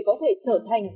để có thể trở thành